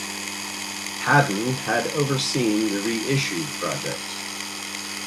Hadden had overseen the reissue project.